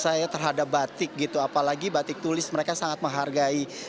saya tidak pernah pernah lihat batik apalagi batik tulis mereka sangat menghargai